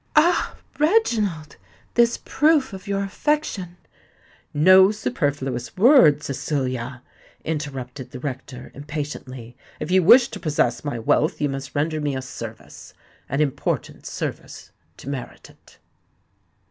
"Ah! Reginald—this proof of your affection——" "No superfluous words, Cecilia," interrupted the rector impatiently. "If you wish to possess my wealth you must render me a service—an important service, to merit it."